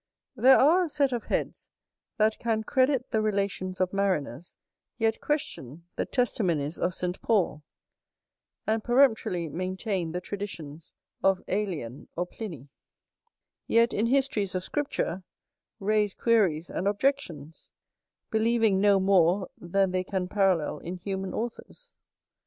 There are a set of heads that can credit the relations of mariners, yet question the testimonies of Saint Paul: and peremptorily maintain the traditions of Ælian or Pliny; yet, in histories of Scripture, raise queries and objections: believing no more than they can parallel in human authors.